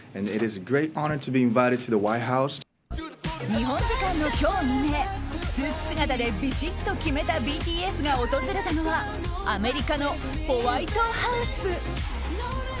日本時間の今日未明スーツ姿でビシッと決めたＢＴＳが訪れたのはアメリカのホワイトハウス。